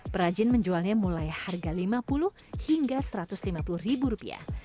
perajin menjualnya mulai harga lima puluh hingga satu ratus lima puluh ribu rupiah